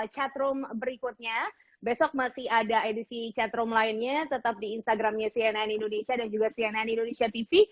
chatroom berikutnya besok masih ada edisi chatroom lainnya tetap di instagramnya cnn indonesia dan juga cnn indonesia tv